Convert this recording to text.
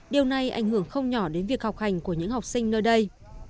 điều này ảnh hưởng không nhỏ đến việc học hành của những học sinh nơi đây